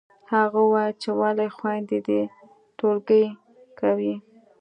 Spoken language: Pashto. هغه وويل چې ولې خویندې دې ټوکې کوي